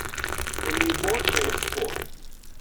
Then we both raised both.